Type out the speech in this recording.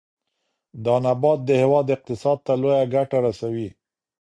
دا نبات د هېواد اقتصاد ته لویه ګټه رسوي.